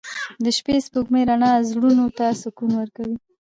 • د شپې د سپوږمۍ رڼا زړونو ته سکون ورکوي.